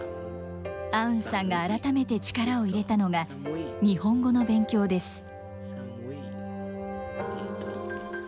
アウンさんが改めて力を入れたのが、日本語の勉強です。